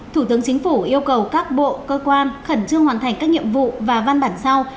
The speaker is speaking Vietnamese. thủ tướng chính phủ yêu cầu các bộ cơ quan khẩn trương hoàn thành các nhiệm vụ và văn bản sau